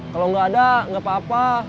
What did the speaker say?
kalau nggak ada nggak apa apa